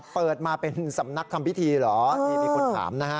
เปิดมาเป็นสำนักทำพิธีเหรอนี่มีคนถามนะฮะ